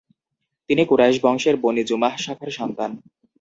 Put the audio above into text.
তিনি কুরাইশ বংশের Bani Jumah শাখার সন্তান।